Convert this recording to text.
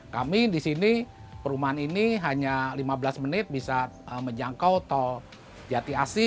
kami di sini perumahan ini hanya lima belas menit bisa menjangkau tol jati asi